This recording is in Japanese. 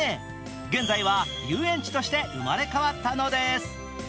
現在は遊園地として生まれ変わったのです。